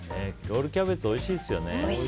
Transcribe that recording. ロールキャベツおいしいですよね。